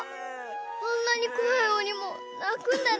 あんなにこわい鬼もなくんだね。